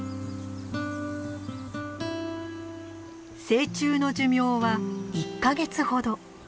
成虫の寿命は１か月ほど。